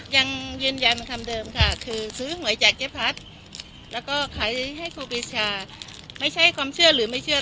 ยังยืนยันมาคำเดิมค่ะคือซื้อหวยจากเจ๊พัดแล้วก็ขายให้ครูปีชาไม่ใช่ความเชื่อหรือไม่เชื่อ